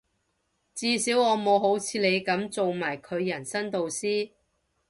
至少我冇好似你噉做埋佢人生導師